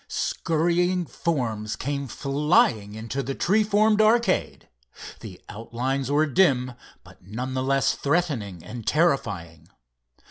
Scurrying forms came flying into the tree formed arcade. The outlines were dim, but none the less threatening and terrifying.